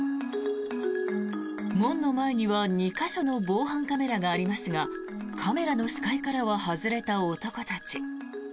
門の前には２か所の防犯カメラがありますがカメラの視界からは外れた男たち。